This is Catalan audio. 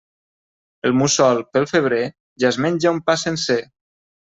El mussol, pel febrer, ja es menja un pa sencer.